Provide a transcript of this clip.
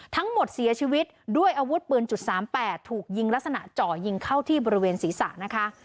ทั้งหมดเสียชีวิตด้วยอาวุธปืน๓๘ถูกยิงลักษณะเจาะยิงเข้าที่บริเวณศีรษะนะคะ